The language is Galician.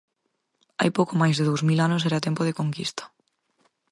Hai pouco máis de dous mil anos, era tempo de conquista.